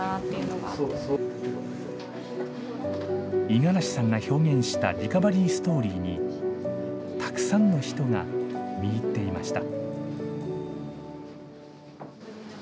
五十嵐さんが表現したリカバリーストーリーに、たくさんの人が見入っていました。